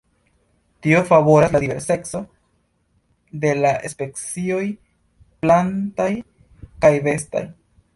Tio favoras la diverseco de la specioj plantaj kaj bestaj.